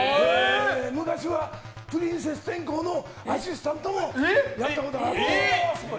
昔はプリンセス天功のアシスタントもやったことがあって。